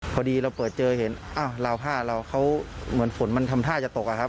พอดีเราเปิดเจอเห็นลาวผ้าเราเขาเหมือนฝนมันทำท่าจะตก